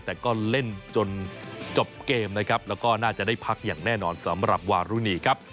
แต่ก็เล่นจนจบเกมนะครับแล้วก็น่าจะได้พักอย่างแน่นอนสำหรับวารุณีครับ